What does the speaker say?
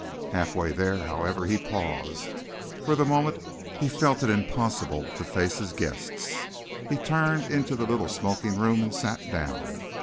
Half way there, however, he paused. For the moment, he felt it impossible to face his guests. He turned into the little smoking room and sat down.